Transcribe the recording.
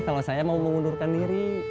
kalau saya mau mengundurkan diri